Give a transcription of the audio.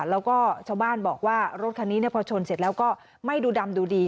แล้วก็ชาวบ้านบอกว่ารถคันนี้พอชนเสร็จแล้วก็ไม่ดูดำดูดี